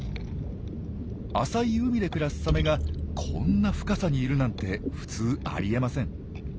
浅い海で暮らすサメがこんな深さにいるなんて普通ありえません。